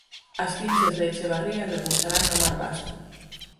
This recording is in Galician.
As cinsas de Echevarría repousarán no mar vasco